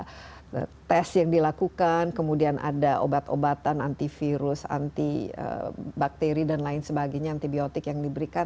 ada tes yang dilakukan kemudian ada obat obatan antivirus antibakteri dan lain sebagainya antibiotik yang diberikan